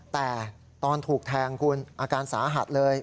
แต่ตอนถูกแทงคุณอาการสาหัสเลย